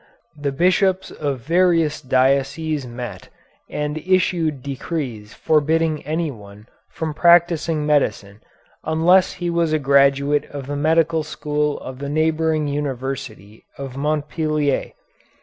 The bishops of various dioceses met, and issued decrees forbidding anyone from practising medicine unless he was a graduate of the medical school of the neighboring University of Montpellier.